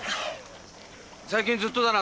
最近ずっとだな。